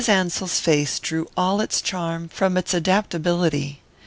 Ansell's face drew all its charm from its adaptability.